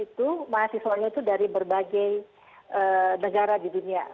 jadi itu mahasiswanya itu dari berbagai negara di dunia